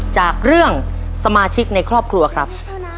จากเรื่องสมาชิกในครอบครัวครับ